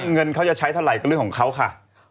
เงินเขาจะใช้เท่าไหร่ก็เรื่องของเขาค่ะ